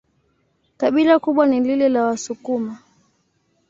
Kabila kubwa ni lile la Wasukuma.